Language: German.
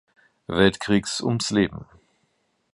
Weltkriegs ums Leben.